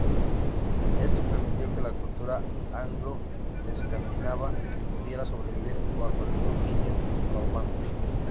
Esto permitió que la cultura anglo-escandinava pudiera sobrevivir bajo el dominio normando.